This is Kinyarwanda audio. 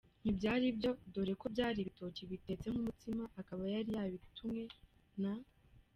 ntibyari byo dore ko byari ibitoki bitetse nkumutsima akaba yari yabitumwe na.